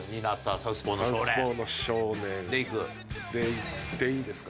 サウスポーの少年でいっていいですか？